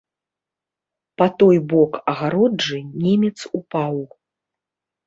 Па той бок агароджы немец упаў.